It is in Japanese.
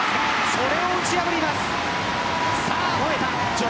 それを打ち破ります。